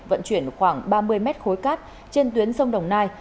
vận chuyển khoảng ba mươi mét khối cát trên tuyến sông đồng nai